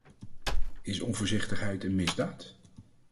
Is onvoorzichtigheid een misdaad?